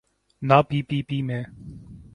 نہ P P P میں۔